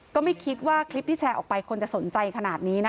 ก็ไม่คิดว่าคลิปที่แชร์ออกไปคนจะสนใจขนาดนี้นะคะ